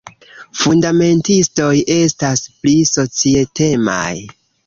fundamentistoj estas pli societemaj.